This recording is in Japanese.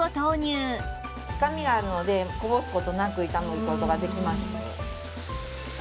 深みがあるのでこぼす事なく炒める事ができます。